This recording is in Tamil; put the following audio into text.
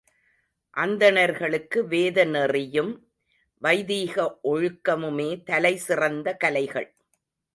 அந்தணர்களுக்கு வேத நெறியும் வைதீக ஒழுக்கமுமே தலை சிறந்த கலைகள்.